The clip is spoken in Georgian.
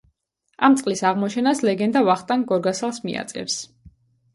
ამ წყლის აღმოჩენას ლეგენდა ვახტანგ გორგასალს მიაწერს.